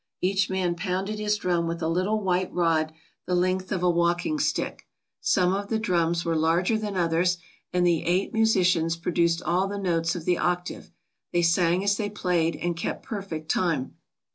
Each man pounded his drum with a little white rod the length of a walking stick. Some of the drums were larger than others, and the eight musicians produced all the notes of the octave. They sang as they played and kept perfect time.